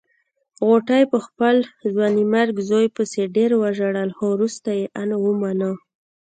غوټۍ په خپل ځوانيمرګ زوی پسې ډېر وژړل خو روسته يې ان ومانه.